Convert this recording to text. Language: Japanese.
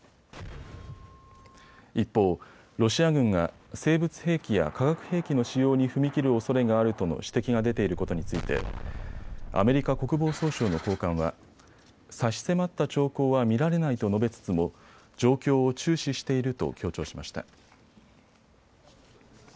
一方、ロシア軍が生物兵器や化学兵器の使用に踏み切るおそれがあるとの指摘が出ていることについてアメリカ国防総省の高官は差し迫った兆候は見られないと述べつつも状況を注視していると強調しました。